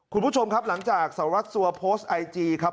คุณผู้ชมครับหลังจากสารวัตรสัวโพสต์ไอจีครับ